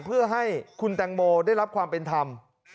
เพื่อให้คุณแตงโมได้รับความเป็นธรรม